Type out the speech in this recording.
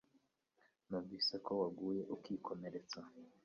Numvise ko waguye ukikomeretsa